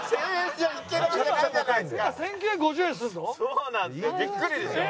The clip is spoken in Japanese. そうなんですよ。